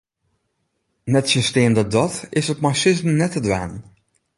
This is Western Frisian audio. Nettsjinsteande dat is it mei sizzen net te dwaan.